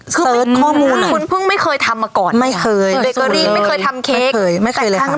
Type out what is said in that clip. เสิร์ชข้อมูลอะคือเป็นข้อมูลอะคือเป็นข้อมูลอะคือเป็นข้อมูลอะ